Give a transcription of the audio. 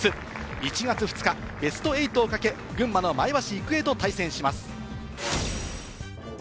１月２日、ベスト８を懸け、群馬の前橋育英と対戦します。